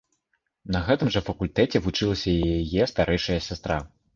На гэтым жа факультэце вучылася і яе старэйшая сястра.